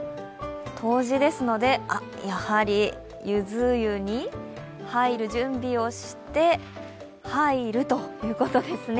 冬至ですので、やはりゆず湯に入る準備をして入るということですね。